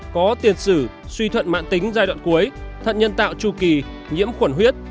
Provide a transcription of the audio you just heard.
có tiền sử suy thuận mạng tính giai đoạn cuối thận nhân tạo chu kỳ nhiễm khuẩn huyết